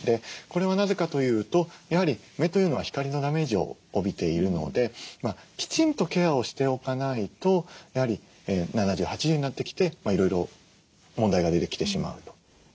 これはなぜかというとやはり目というのは光のダメージを帯びているのできちんとケアをしておかないとやはり７０８０になってきていろいろ問題が出てきてしまうと。